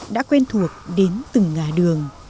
đã quen thuộc đến từng ngà đường